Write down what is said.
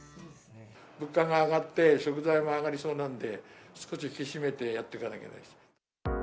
物価が上がって、食材も上がりそうなんで、少し引き締めてやってかなきゃいけないです。